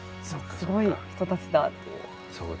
すごい人たちだ」っていう。